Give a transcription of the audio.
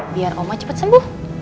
biar oma cepat sembuh